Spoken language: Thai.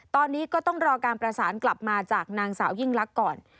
ตอนนี้ก็ต้องรอการประสานกลับมาจากนางสาวยิ่งลักษณ์ก่อน